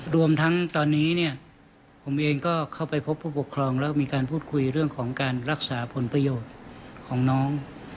รวมทั้งตอนนี้เนี่ยผมเองก็เข้าไปพบผู้ปกครองแล้วมีการพูดคุยเรื่องของการรักษาผลประโยชน์ของน้อง